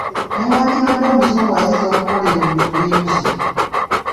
Newandibadde omuzungu ayinza okukola ebintu bingi.